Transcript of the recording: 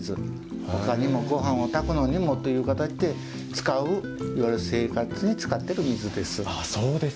他にも、ごはんを炊くのにもという形で使ういわゆる生活に使っていく水です。